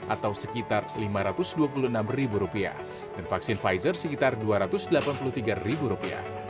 atau sekitar lima ratus dua puluh enam rupiah dan vaksin pfizer sekitar dua ratus delapan puluh tiga rupiah